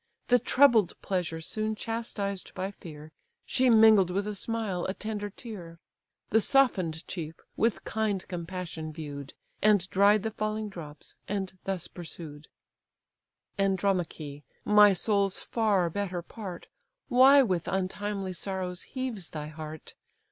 The troubled pleasure soon chastised by fear, She mingled with a smile a tender tear. The soften'd chief with kind compassion view'd, And dried the falling drops, and thus pursued: "Andromache! my soul's far better part, Why with untimely sorrows heaves thy heart?